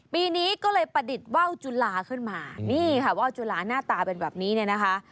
ปีนี้ก็เลยประดิษฐ์ว่าวจุลาขึ้นมานี่ค่ะว่าวจุลาหน้าตาเป็นแบบนี้เนี่ยนะคะ